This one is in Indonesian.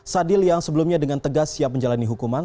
sadil yang sebelumnya dengan tegas siap menjalani hukuman